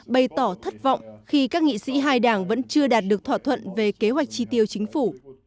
bày tỏ thất vọng khi các nghị sĩ hai đảng vẫn chưa đạt được thỏa thuận về kế hoạch chi tiêu chính phủ